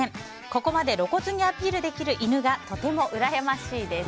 ここまで露骨にアピールできる犬がとてもうらやましいです。